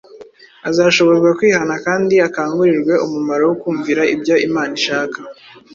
azashobozwa kwihana kandi akangurirwe umumaro wo kumvira ibyo Imana ishaka.